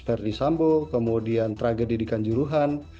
verdi sambo kemudian tragedi di kanjuruhan